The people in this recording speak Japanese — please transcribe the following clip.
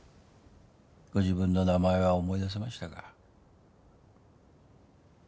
ご自分の名前は思い出せましたか？